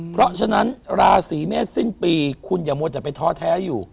เพราะฉะนั้นราศีเมษสิ้นปีคุณอย่ามัวแต่ไปท้อแท้อยู่